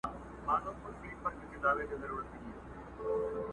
او که هسي شین امي نیم مسلمان یې!!